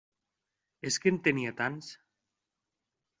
És que en tenia tants!